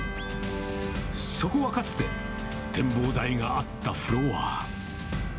そこはかつて、展望台があったフロア。